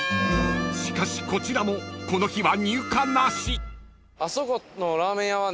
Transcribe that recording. ［しかしこちらもこの日は］